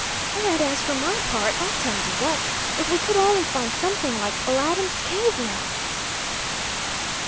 And, as for my part, I'll tell you what! If we could only find something like Aladdin's cave, now!"